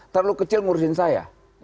terlalu kecil ngurusin saya